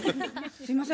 すいません。